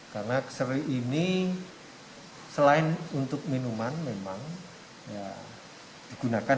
karena serai ini selain untuk minuman memang digunakan